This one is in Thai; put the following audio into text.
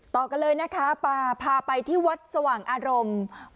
ต่อกันเลยนะคะป่าพาไปที่วัดสว่างอารมณ์